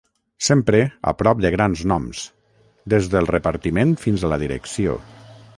Sempre a prop de grans noms, des del repartiment fins a la direcció.